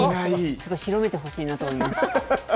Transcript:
ちょっと広めてほしいなと思います。